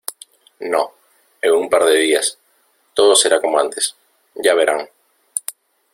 No, en un par de días , todo será como antes. Ya verán .